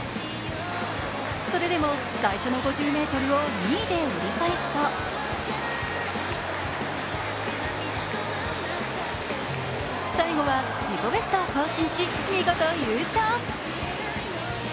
それでも最初の５０ｍを２位で折り返すと最後は自己ベストを更新し見事、優勝。